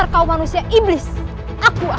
kau manusia biadab